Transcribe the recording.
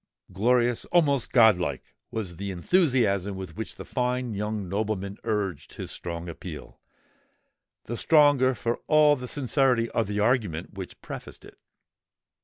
Glorious—almost god like, was the enthusiasm with which the fine young nobleman urged his strong appeal—the stronger for all the sincerity of the argument which prefaced it.